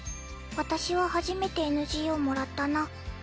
私は初めてＮＧをもらったな。